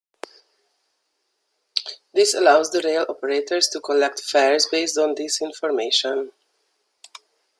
This allows the rail operators to collect fares based on this information.